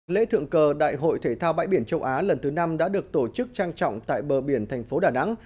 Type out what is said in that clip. lễ thượng cờ đại hội thể thao bãi biển châu á lần thứ năm đã được tổ chức trang trọng tại bờ biển thành phố đà nẵng